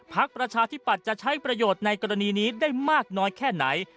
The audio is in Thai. ประชาธิปัตย์จะใช้ประโยชน์ในกรณีนี้ได้มากน้อยแค่ไหน